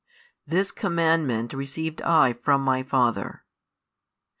This commandment received I from My Father.